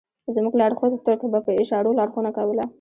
زموږ لارښود تُرک به په اشارو لارښوونه کوله.